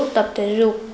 tập thể dục